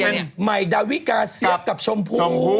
ใหม่ดาวิกาเสียบกับชมพู